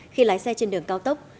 khi lái xe trên đường cao tốc